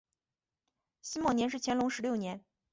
辛未年是乾隆十六年。